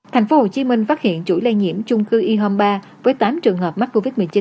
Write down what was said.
tp hcm phát hiện chuỗi lây nhiễm chung cư y home ba với tám trường hợp mắc covid một mươi chín